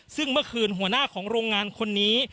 ซึ่งเมื่อคืนหัวหน้าของโรงงานคนนี้